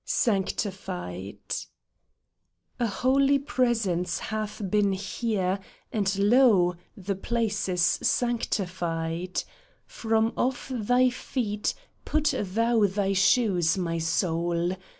SANCTIFIED A HOLY presence hath been here, and, lo, The place is sanctified ! From off thy feet Put thou thy shoes, my soul